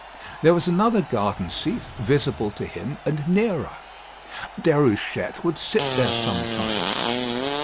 There was another garden seat, visible to him, and nearer Déruchette would sit there sometimes.